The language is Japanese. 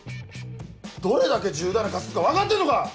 どれだけ重大な過失か分かってんのか！